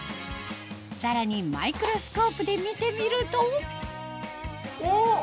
さらにマイクロスコープで見てみるとお！